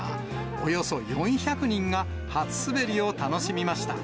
およそ４００人が初滑りを楽しみました。